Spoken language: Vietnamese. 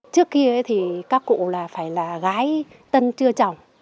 trước kia thì các cụ là phải là gái tân chưa chồng